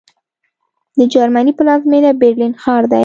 د جرمني پلازمېنه برلین ښار دی